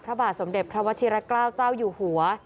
พระบาทสมเด็จพระวชิระเกล้าเจ้าอยู่หัว